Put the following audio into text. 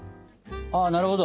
あなるほど。